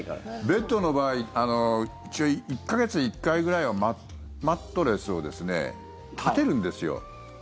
ベッドの場合１か月に１回ぐらいはマットレスをですね立てるんですよ。